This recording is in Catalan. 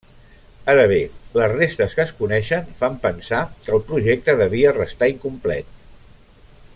Ara bé, les restes que es coneixen fan pensar que el projecte devia restar incomplet.